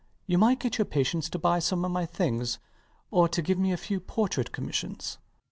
You might get your patients to buy some of my things, or to give me a few portrait commissions.